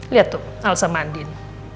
lihat tuh alsa mandin